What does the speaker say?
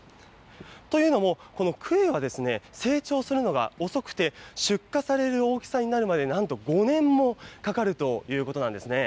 というのも、このクエは成長するのが遅くて、出荷される大きさになるまでなんと５年もかかるということなんですね。